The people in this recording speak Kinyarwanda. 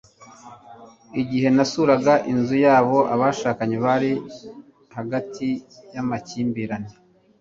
Igihe nasuraga inzu yabo abashakanye bari hagati yamakimbirane